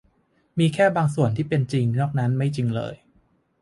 มีแค่บางส่วนที่เป็นจริงนอกจากนั้นไม่จริงเลย